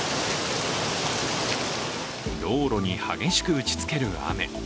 道路に激しく打ちつける雨。